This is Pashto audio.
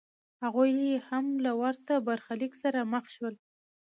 هغوی هم له ورته برخلیک سره مخ شول